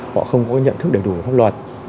họ không có nhận thức đầy đủ pháp luật